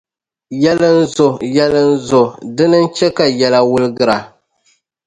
Yɛli n zo yɛli n zo dini n-chɛ ka yɛla wuligira.